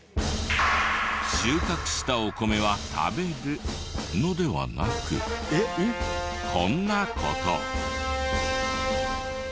収穫したお米は食べるのではなくこんな事を。